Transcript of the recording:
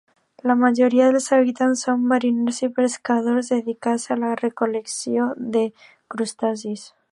La majoria dels habitants són mariners i pescadors dedicats a la recol·lecció de crustacis.